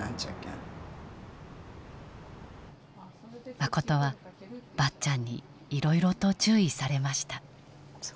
マコトはばっちゃんにいろいろと注意されました。